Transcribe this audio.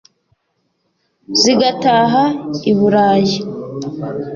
Zigataha i Bulayi,